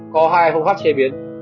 có hai phương pháp chế biến